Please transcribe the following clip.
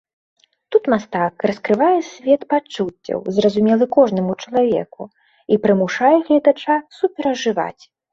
Тут мастак раскрывае свет пачуццяў, зразумелы кожнаму чалавеку, і прымушае гледача суперажываць.